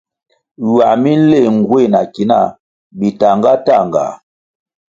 Ywăh mi nléh nguéh na ki nah bitahngatanhga.